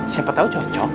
siapa tahu cocok